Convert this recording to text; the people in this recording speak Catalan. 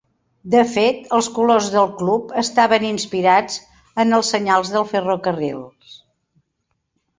De fet, els colors del club estaven inspirats en els senyals del ferrocarril.